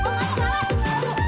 gue gak mau kelawan